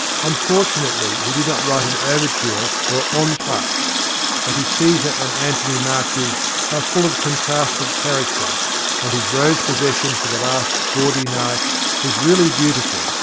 Unfortunately, he did not write an overture or entr'actes, but his Cæsar and Antony marches are full of contrasted character, and his "Rose Procession" for the last "Gaudy Night" is really beautiful.